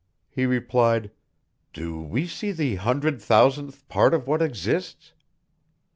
He replied: "Do we see the hundred thousandth part of what exists?